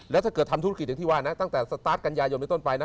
แล้วถ้าเกิดทำธุรกิจอย่างที่ว่านะตั้งแต่สตาร์ทกันยายนไปต้นไปนะ